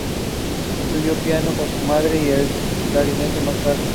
Estudió piano con su madre, y el clarinete más tarde.